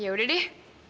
ya udah deh